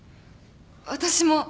私も。